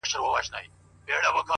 نه به اوري څوك فرياد د مظلومانو -